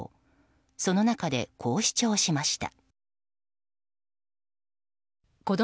その中で、こう主張しました。